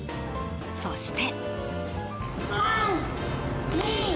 そして。